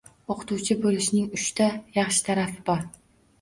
O'qituvchi bo'lishning uchta yaxshi tarafi bor